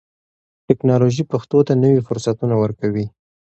ټکنالوژي پښتو ته نوي فرصتونه ورکوي.